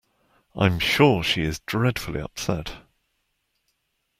I'm sure she is dreadfully upset.